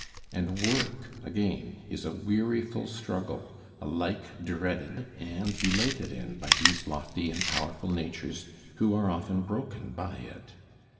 And work, again, is a weariful struggle, alike dreaded and delighted in by these lofty and powerful natures who are often broken by it.